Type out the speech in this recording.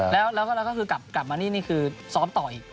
แล้วก็คือกลับมานี่นี่คือซ้อมต่ออีก